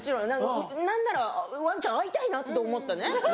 何ならワンちゃん会いたいなと思ってね。